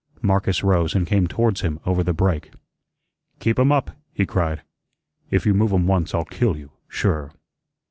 Marcus rose and came towards him over the break. "Keep 'em up," he cried. "If you move 'em once I'll kill you, sure."